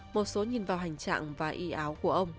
một số nhìn vào hành trạng và y áo của ông